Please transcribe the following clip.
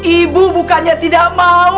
ibu bukannya tidak mau